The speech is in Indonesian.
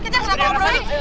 kita ke sana pak